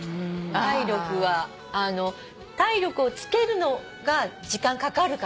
体力をつけるのが時間かかるから。